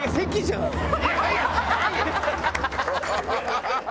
ハハハハ！